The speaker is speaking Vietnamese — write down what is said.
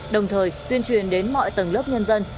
đồng thời tuyên truyền đến mọi tầng lớp nhân dân